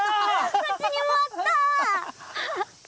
こっちにもあった。